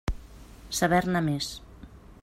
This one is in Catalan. Saber-ne més.